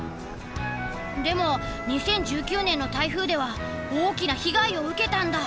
でも２０１９年の台風では大きな被害を受けたんだ。